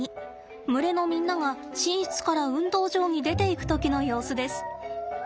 群れのみんなが寝室から運動場に出ていく時の様子です。